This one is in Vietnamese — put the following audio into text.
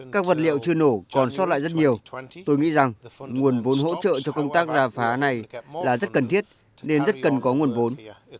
các vật liệu chưa nổ còn sót lại rất nhiều tôi nghĩ rằng nguồn vốn hỗ trợ cho công tác giả phá này là rất cần thiết nên rất cần có nguồn vốn